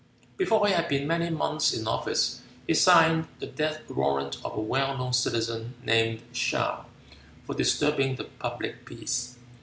Before he had been many months in office, he signed the death warrant of a well known citizen named Shaou for disturbing the public peace.